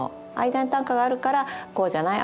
間に短歌があるからこうじゃない？